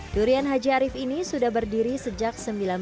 durian haji arief ini sudah berdiri sejak seribu sembilan ratus sembilan puluh